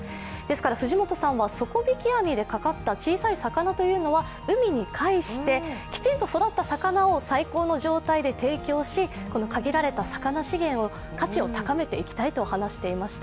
藤本さんは底引き網でかかった小さい魚は海に帰してきちんと育った魚を提供し、限られた魚資源を価値を高めていきたいと話していきました。